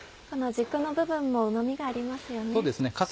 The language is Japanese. この軸の部分もうま味がありますよね。